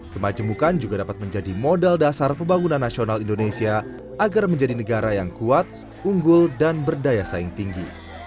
kemajemukan juga dapat menjadi modal dasar pembangunan nasional indonesia agar menjadi negara yang kuat unggul dan berdaya saing tinggi